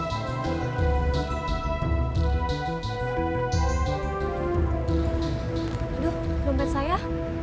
sampai jumpa di video selanjutnya